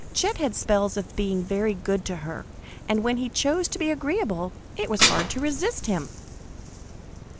Chet had spells of being very good to her, and when he chose to be agreeable it was hard to resist him.